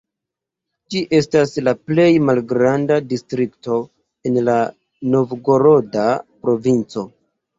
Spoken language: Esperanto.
Ĝi estas la plej malgranda distrikto en la Novgoroda provinco.